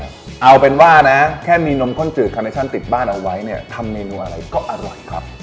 เอาเป็นว่านะแค่มีนมข้นจืดคาเนชั่นติดบ้านเอาไว้เนี่ยทำเมนูอะไรก็อร่อยครับ